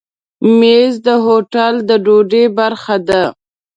مېز د هوټل د ډوډۍ برخه ده.